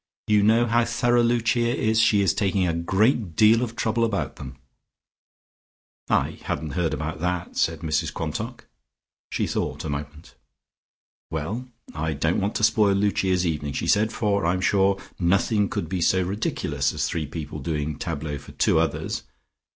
You know how thorough Lucia is; she is taking a great deal of trouble about them." "I hadn't heard about that," said Mrs Quantock. She thought a moment. "Well; I don't want to spoil Lucia's evening," she said, "for I'm sure nothing could be so ridiculous as three people doing tableaux for two others.